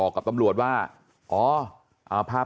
ครับคุณสาวทราบไหมครับ